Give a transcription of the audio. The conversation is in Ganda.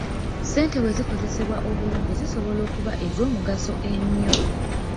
Ssente bwezikozesebwa obulungi zisobola okuba ez'omugaso ennyo.